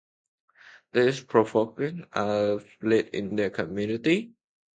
This provoked a split in their community.